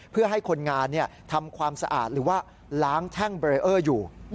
เพื่อให้คนงานทำความสะอาดหรือว่าล้างแท่งเบรเออร์อยู่